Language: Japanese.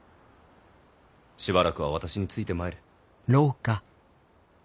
しばらくは私についてまいれ。